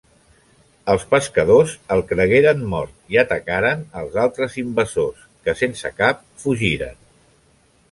Els pescadors el cregueren mort i atacaren els altres invasors que, sense cap, fugiren.